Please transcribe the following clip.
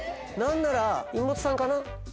何なら妹さんかな？